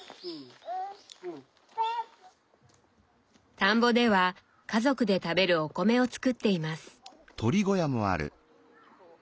田んぼでは家族で食べるお米を作っています。